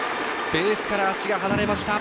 ベースから足が離れました。